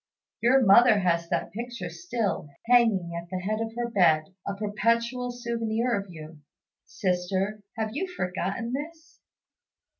Your mother has that picture still, hanging at the head of her bed, a perpetual souvenir of you. Sister, have you forgotten this?